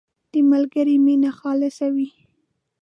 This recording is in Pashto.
• د ملګري مینه خالصه وي.